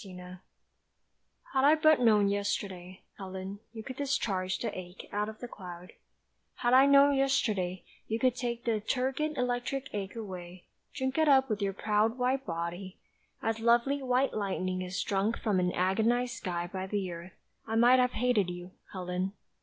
REPROACH HAD I but known yesterday, Helen, you could discharge the ache Out of the cloud; Had I known yesterday you could take The turgid electric ache away, Drink it up with your proud White body, as lovely white lightning Is drunk from an agonised sky by the earth, I might have hated you, Helen.